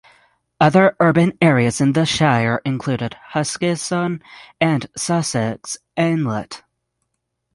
Other urban areas in the shire included Huskisson and Sussex Inlet.